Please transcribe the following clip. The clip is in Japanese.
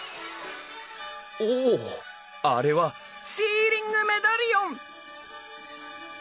おあれはシーリングメダリオン！